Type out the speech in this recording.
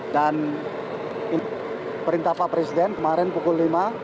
dan perintah pak presiden kemarin pukul lima